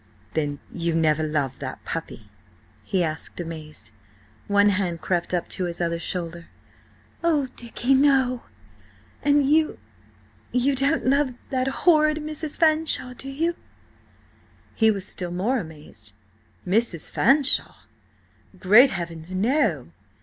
"Then you never loved that puppy?" he asked, amazed. One hand crept up to his other shoulder. "Oh, Dicky, no! And–and you–you don't love that horrid Mrs. Fanshawe, do you?" He was still more amazed. "Mrs. Fanshawe? Great heavens, no!